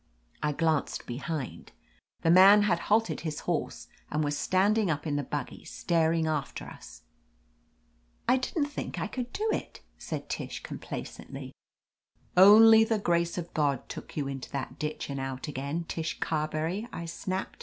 I glanced behind. The man had halted his horse and was standing up in the buggy, star ing after us. "I didn't think I could do it," said Tish com placently. "Only the grace of God took you into that ditch and out again, Tish Carberry," I snapped.